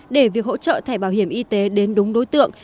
để việc hỗ trợ thẻ bảo hiểm y tế đến đúng đối tượng